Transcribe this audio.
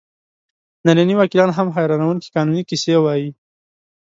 ننني وکیلان هم حیرانوونکې قانوني کیسې وایي.